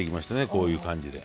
こういう感じで。